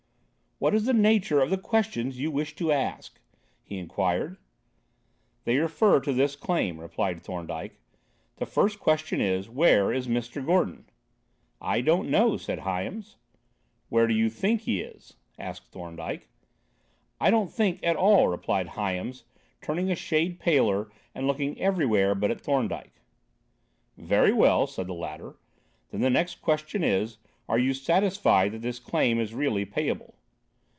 "What is the nature of the questions that you wished to ask?" he inquired. "They refer to this claim," replied Thorndyke. "The first question is, where is Mr. Gordon?" "I don't know," said Hyams. "Where do you think he is?" asked Thorndyke. "I don't think at all," replied Hyams, turning a shade paler and looking everywhere but at Thorndyke. "Very well," said the latter, "then the next question is, are you satisfied that this claim is really payable?"